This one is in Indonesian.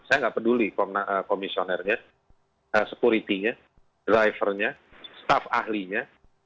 saya nggak peduli komisionernya security nya driver nya staff ahlinya